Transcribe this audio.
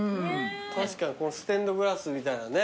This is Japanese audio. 確かにこのステンドグラスみたいなね。